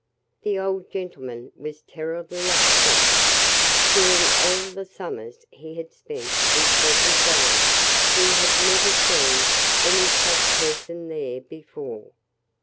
The old gentleman was terribly upset. During all the summers he had spent in Pleasant Valley he had never seen any such person there before.